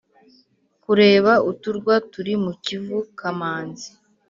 kureba uturwa turi mu kivu. kamanzi